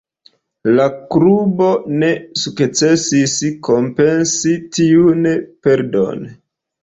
La klubo ne sukcesis kompensi tiun perdon.